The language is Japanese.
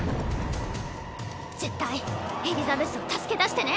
絶対エリザベスを助け出してね。